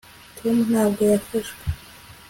tom ntabwo yafashwe